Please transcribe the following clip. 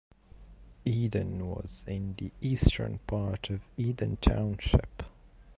Eden was in the eastern part of Eden Township.